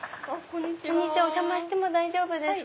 お邪魔しても大丈夫ですか？